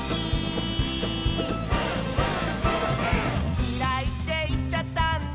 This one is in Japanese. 「きらいっていっちゃったんだ」